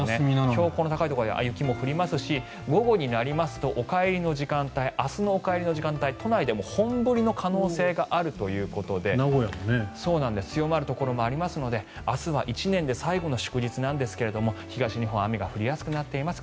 標高の高いところでは雪も降りますし午後になりますと明日のお帰りの時間帯都内でも本降りの可能性があるということで強まるところもありますので明日は１年で最後の祝日なんですが東日本雨が降りやすくなっています。